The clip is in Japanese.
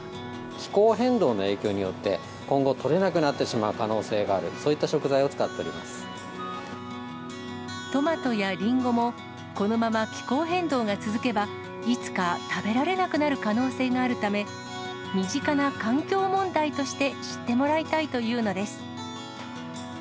気候変動の影響によって、今後、採れなくなってしまう可能性がある、そういった食材を使っておりトマトやリンゴも、このまま気候変動が続けば、いつか食べられなくなる可能性があるため、身近な環境問題として知ってもらいたいというのです。